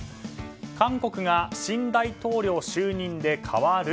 韓国が新大統領就任で変わる？